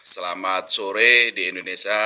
selamat sore di indonesia